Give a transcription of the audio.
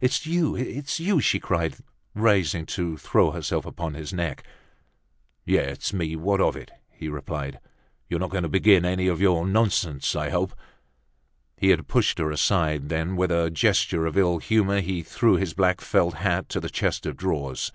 "It's you! It's you!" she cried, rising to throw herself upon his neck. "Yes, it's me. What of it?" he replied. "You are not going to begin any of your nonsense, I hope!" He had pushed her aside. Then, with a gesture of ill humor he threw his black felt hat to the chest of drawers.